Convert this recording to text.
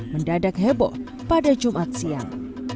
mendadak heboh pada jumat siang